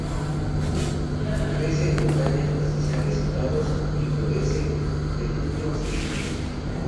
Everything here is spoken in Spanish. Crece en montañas, pastizales y prados, y florece de junio hasta septiembre.